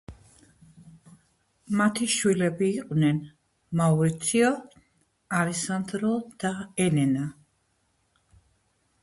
მათი შვილები იყვნენ: მაურიციო, ალესანდრო და ელენა.